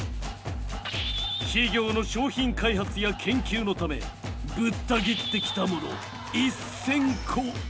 企業の商品開発や研究のためぶった切ってきたもの１，０００個以上。